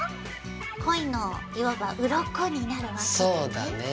コイのいわばうろこになるわけだね。